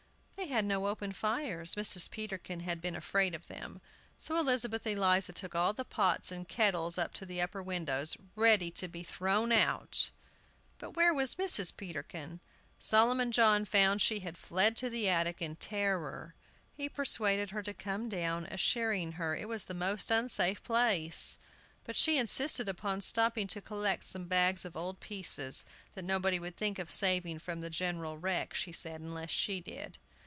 They had no open fires; Mrs. Peterkin had been afraid of them. So Elizabeth Eliza took all the pots and kettles up to the upper windows, ready to be thrown out. But where was Mrs. Peterkin? Solomon John found she had fled to the attic in terror. He persuaded her to come down, assuring her it was the most unsafe place; but she insisted upon stopping to collect some bags of old pieces, that nobody would think of saving from the general wreck, she said, unless she did.